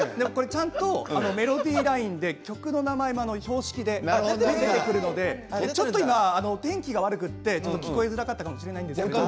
ちゃんとメロディーラインって、曲の名前も標識が出てくるので今は天気が悪くて聞こえづらかったかも、しれませんけれども。